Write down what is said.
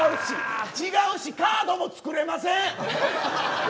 違うしカードも作れません。